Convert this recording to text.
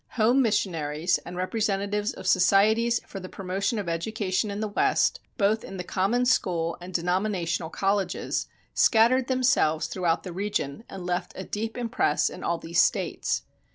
Home missionaries, and representatives of societies for the promotion of education in the West, both in the common school and denominational colleges, scattered themselves throughout the region and left a deep impress in all these States.